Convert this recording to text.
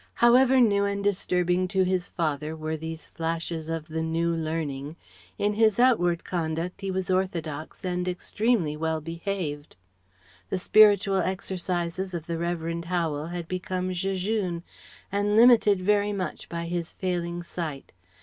However new and disturbing to his father were these flashes of the New Learning, in his outward conduct he was orthodox and extremely well behaved. The spiritual exercises of the Revd. Howel had become jejune, and limited very much by his failing sight.